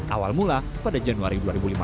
awal mula pada januari dua ribu lima belas